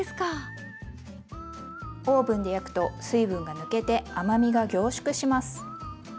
オーブンで焼くと水分が抜けて甘みが凝縮します。